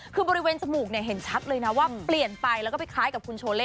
คือบริเวณจมูกเนี่ยเห็นชัดเลยนะว่าเปลี่ยนไปแล้วก็ไปคล้ายกับคุณโชเล่